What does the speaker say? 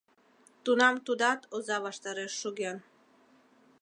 Тунам тудат оза ваштареш шоген.